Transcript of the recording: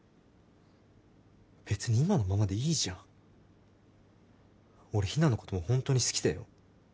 別に今のままでいいじゃん俺ヒナのこともほんとに好きだよ